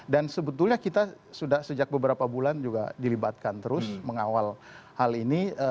dan sebetulnya kita sudah sejak beberapa bulan juga dilibatkan terus mengawal hal ini